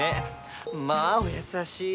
まあおやさしい。